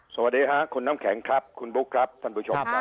สวัสดีค่ะคุณน้ำแข็งครับคุณบุ๊คครับท่านผู้ชมครับ